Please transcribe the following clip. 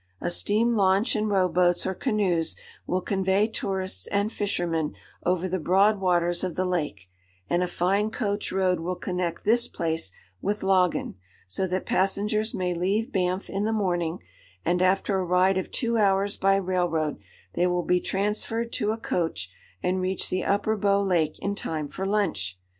A steam launch and row boats or canoes will convey tourists and fishermen over the broad waters of the lake, and a fine coach road will connect this place with Laggan, so that passengers may leave Banff in the morning and, after a ride of two hours by railroad, they will be transferred to a coach and reach the Upper Bow Lake in time for lunch!